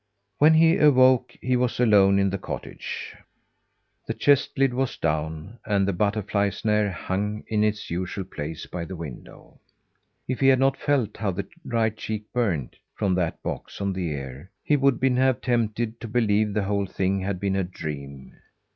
When he awoke, he was alone in the cottage. The chest lid was down, and the butterfly snare hung in its usual place by the window. If he had not felt how the right cheek burned, from that box on the ear, he would have been tempted to believe the whole thing had been a dream.